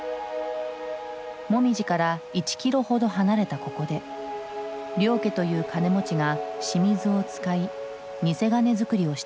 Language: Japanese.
モミジから１キロほど離れたここで領家という金持ちが清水を使い偽金づくりをしていた。